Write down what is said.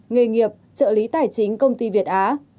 nghề nghiệp trợ lý tài chính công ty việt á